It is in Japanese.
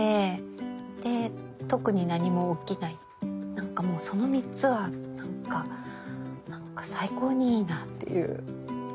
なんかもうその３つはなんかなんか最高にいいなっていう。